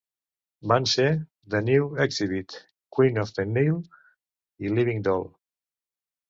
Van ser "The New Exhibit", "Queen of the Nile" i "Living Doll".